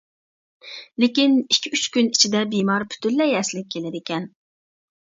لېكىن ئىككى-ئۈچ كۈن ئىچىدە بىمار پۈتۈنلەي ئەسلىگە كېلىدىكەن.